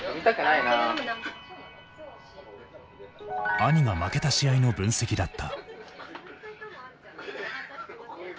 兄が負けた試合の分析だった。